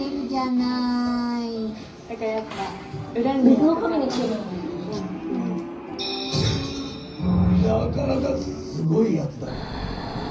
なかなかすごいやつだな。